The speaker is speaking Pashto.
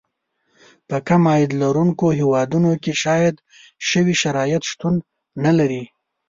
په کم عاید لرونکو هېوادونو کې یاد شوي شرایط شتون نه لري.